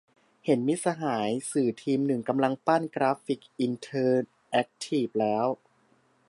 เห็นมิตรสหายสื่อทีมหนึ่งกำลังปั้นกราฟิกอินเทอร์แอคทีฟแล้ว